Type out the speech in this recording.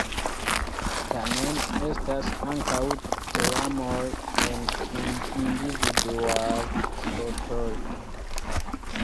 Tamen, estas ankaŭ teamoj en individuaj sportoj.